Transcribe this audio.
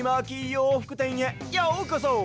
ようふくてんへようこそ！